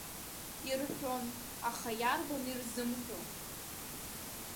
Ирҳәон, аха иарбан ирзымҳәо?!